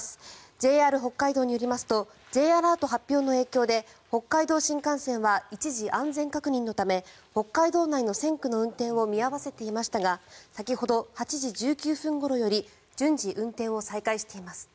ＪＲ北海道によりますとＪアラート発表の影響で北海道新幹線は一時、安全確認のため北海道内の線区の運転を見合わせていましたが先ほど、８時１９分ごろより順次運転を再開しています。